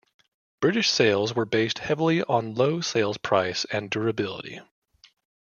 British sales were based heavily on low sales price and durability.